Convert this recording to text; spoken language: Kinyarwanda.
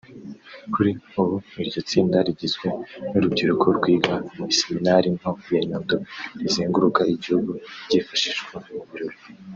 Kuri ubu iryo tsinda rigizwe n’urubyiruko rwiga mu iseminari nto ya Nyundo rizenguruka igihugu ryifashishwa mu birori